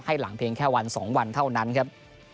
หลังเพียงแค่วัน๒วันเท่านั้นครับ